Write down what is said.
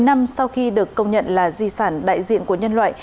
bảy mươi năm sau khi được công nhận là di sản đại diện của nhân loại